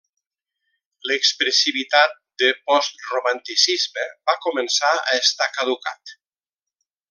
L'expressivitat de post-Romanticisme va començar a estar caducat.